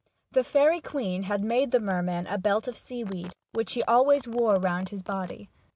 The fairy queen had made the merman a belt of sea weed, which he always wore round his body.